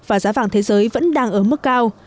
và giá vàng thế giới vẫn đang ở mức cao